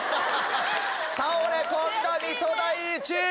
倒れ込んだ水戸第一！